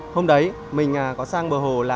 hôm đấy mình có sang bờ hồ là